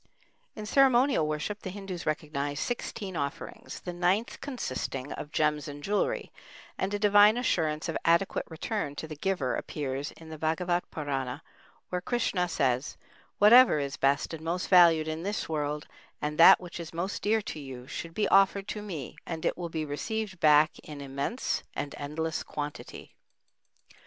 In ceremonial worship the Hindus recognize sixteen offerings, the ninth consisting of gems and jewelry, and a divine assurance of adequate return to the giver appears in the Bhagavat Purana, where Krishna says, "Whatever is best and most valued in this world and that which is most dear to you should be offered to me, and it will be received back in immense and endless quantity."